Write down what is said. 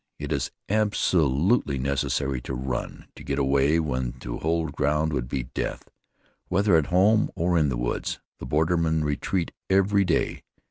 It is absolutely necessary to run, to get away when to hold ground would be death. Whether at home or in the woods, the bordermen retreat every day.